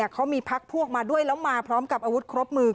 เขามีพักพวกมาด้วยแล้วมาพร้อมกับอาวุธครบมือ